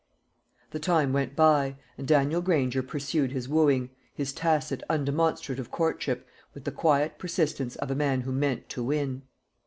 The time went by, and Daniel Granger pursued his wooing, his tacit undemonstrative courtship, with the quiet persistence of a man who meant to win.